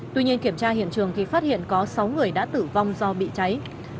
tuy nhiên kiểm tra hiện trường thì phát hiện có sáu người đã tử vong do bị cháy